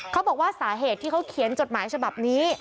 เขาบอกว่าสาเหตุที่เขาเขียนจดหมายฉบับนี้